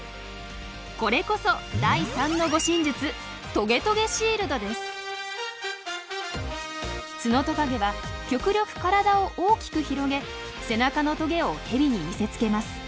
これこそ第３の護身術ツノトカゲは極力体を大きく広げ背中のトゲをヘビに見せつけます。